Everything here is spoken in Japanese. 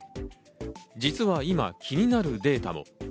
実は今、気になるデータも。